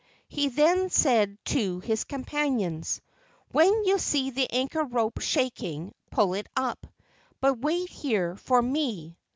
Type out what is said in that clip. He then said to his companions, "When you see the anchor rope shaking, pull it up, but wait here for me."